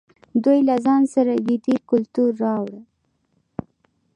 دوی له ځان سره ویدي کلتور راوړ.